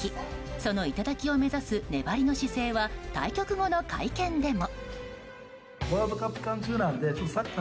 その頂を目指す粘りの姿勢は対局後の会見でも。